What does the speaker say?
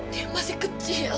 dia masih kecil